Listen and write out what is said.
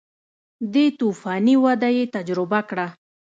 دې توفاني وده یې تجربه کړه